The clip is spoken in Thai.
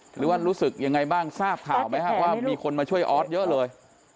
หรือว่ารู้สึกยังไงบ้างทราบข่าวไหมครับว่ามีคนมาช่วยออสเยอะเลย